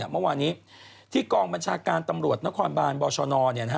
เมื่อวานี้ที่กรงบรรชาการตำรวจโบรชนอเนี่ย